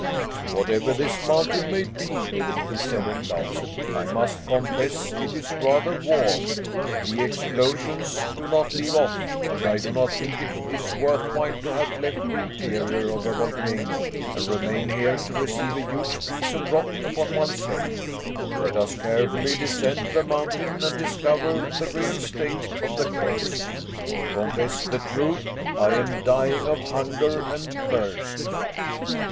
"Whatever this mountain may be," he said, at last, "I must confess it is rather warm. The explosions do not leave off, and I do not think it is worthwhile to have left the interior of a volcano and remain here to receive a huge piece of rock upon one's head. Let us carefully descend the mountain and discover the real state of the case. To confess the truth, I am dying of hunger and thirst."